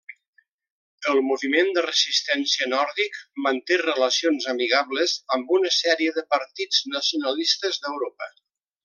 El Moviment de Resistència Nòrdic manté relacions amigables amb una sèrie de partits nacionalistes d'Europa.